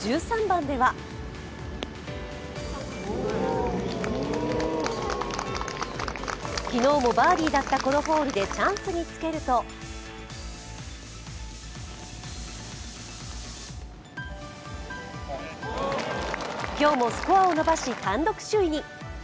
１３番では昨日もバーディーだったこのホールでチャンスにつけると今日もスコアを伸ばし単独首位に。